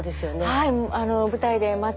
はい。